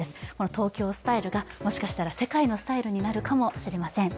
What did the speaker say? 東京スタイルがもしかしたら世界のスタイルになるかもしれません。